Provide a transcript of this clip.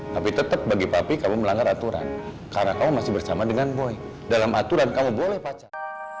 tapi tetap bagi papi kamu melanggar aturan karena kamu masih bersama dengan boy dalam aturan kamu boleh pacar